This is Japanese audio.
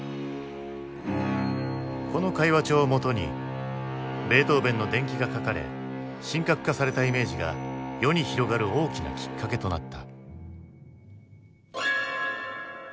この会話帳をもとにベートーヴェンの伝記が書かれ神格化されたイメージが世に広がる大きなきっかけとなった。